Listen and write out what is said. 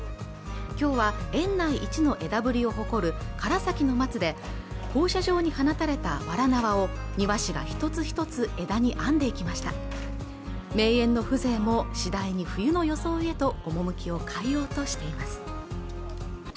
今日は園内一の枝ぶりを誇る唐崎の松で放射状に放たれたわら縄を庭師が一つ一つ枝に編んでいきました名園の風情も次第に冬の装いへと趣きを変えよううとしています